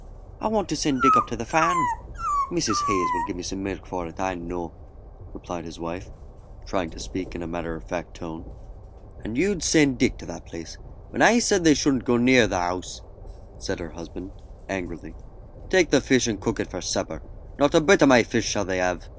"I want to send Dick up to the farm; Mrs. Hayes will give me some milk for it, I know," replied his wife, trying to speak in a matter of fact tone. [Illustration: "'ME LIKES 'OU,' SHE SAID." (See page 40.)] "And you'd send Dick to that place when I said they shouldn't go near the house," said her husband, angrily. "Take the fish and cook it for supper. Not a bit o' my fish shall they have."